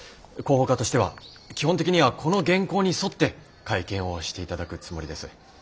広報課としては基本的にはこの原稿に沿って会見をしていただくつもりです。